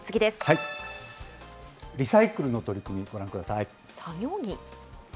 リサイクルの取り組み、ご覧作業着？